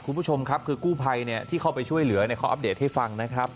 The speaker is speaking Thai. คุณผู้ชมครับคือกู้ภัยที่เข้าไปช่วยเหลือเขาอัปเดตให้ฟังนะครับ